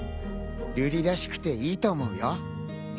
瑠璃らしくていいと思うよ。